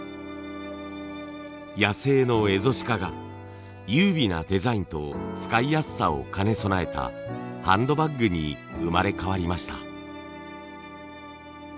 野生のエゾシカが優美なデザインと使いやすさを兼ね備えたハンドバッグに生まれ変わりました。